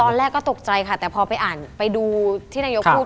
ตอนแรกก็ตกใจค่ะแต่พอไปอ่านไปดูที่นายกพูด